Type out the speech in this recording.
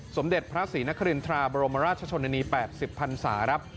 สมเด็จพระศรีนครินทราบรมราชชนนานี๘๐พันศาครับ